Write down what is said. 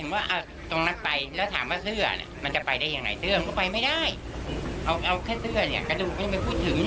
มันจะไปแบบไหนเตือนไม่ได้กันไป